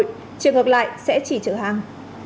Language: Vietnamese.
trường hợp lại sẽ chỉ trở hàng